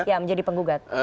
ya menjadi penggugat